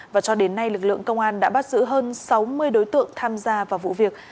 và cho đến nay lực lượng công an đã bắt giữ hơn sáu mươi đối tượng tham gia vào vụ việc